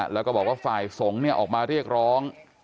แล้วก็บอกว่าฝ่ายสงฆ์ออกมาเรียกร้อง